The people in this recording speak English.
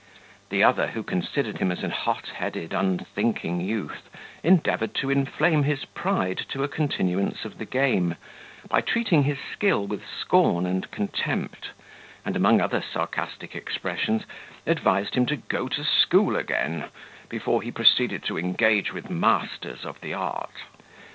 The other, who considered him as a hot headed unthinking youth, endeavoured to inflame his pride to a continuance of the game, by treating his skill with scorn and contempt; and, among other sarcastic expressions, advised him to go to school again, before he pretended to engage with masters of the art.